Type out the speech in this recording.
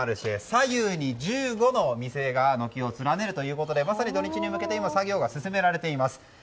左右に１５のお店が軒を連ねるということでまさに土日に向けて今作業が進められています。